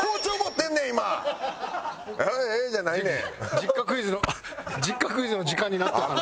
実家クイズの実家クイズの時間になったんで。